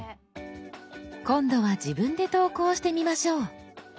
今度は自分で投稿してみましょう。